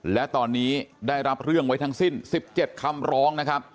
และตอนนี้ได้รับเรื่องไว้ทั้งสิ้น๑๗คำร้องนะครับ